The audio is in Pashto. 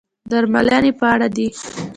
درملنې په اړه دي.